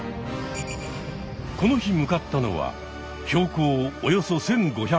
この日向かったのは標高およそ１５００ｍ。